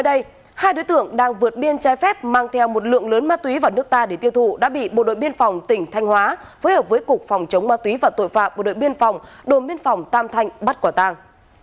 trước đây hai đối tượng đang vượt biên trái phép mang theo một lượng lớn ma túy vào nước ta để tiêu thụ đã bị bộ đội biên phòng tỉnh thanh hóa phối hợp với cục phòng chống ma túy và tội phạm bộ đội biên phòng đồn biên phòng tam thanh bắt quả tàng